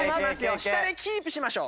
下でキープしましょう。